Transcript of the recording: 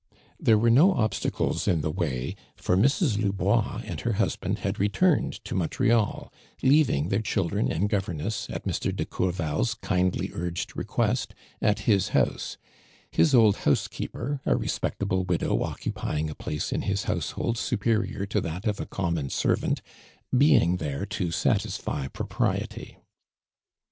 There were no obstacles in the way, for Mrs. Lubois and her hus band had returned to Montreal, leaving their children and governess, at Mr. de Courval's kindly urged request, at his housej his old house keeper, a respectable widow occupying a place in his household supe rior to that of common servant, being there to satisfy propriety.